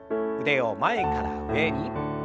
腕を前から上に。